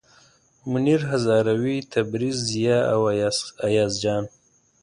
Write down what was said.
منیر هزاروي، تبریز، ضیا او ایاز جان.